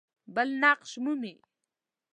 بل نقش مومي.